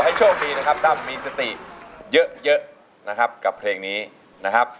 โชคดีนะครับตั้มมีสติเยอะนะครับกับเพลงนี้นะครับ